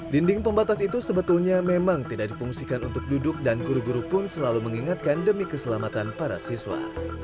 dinding pembatas itu sebetulnya memang tidak difungsikan untuk duduk dan guru guru pun selalu mengingatkan demi keselamatan para siswa